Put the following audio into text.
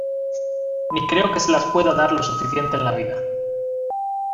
ni creo que se las pueda dar lo suficiente en la vida.